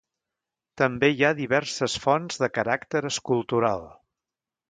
També hi ha diverses fonts de caràcter escultural.